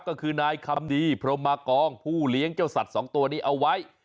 ก็คือนายคำดีพรมมากองผู้เลี้ยงเจ้าสัตว์สองตัวนี้เอาไว้